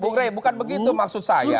bukre bukan begitu maksud saya